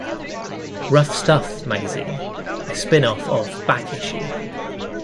"Rough Stuff" magazine, a spin-off of "Back Issue!